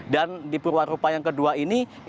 dan di perwarupa yang kedua ini ini lebih ke